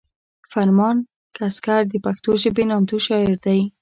فرمان کسکر د پښتو ژبې نامتو شاعر دی